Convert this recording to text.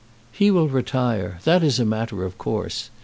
"He will retire. That is a matter of course.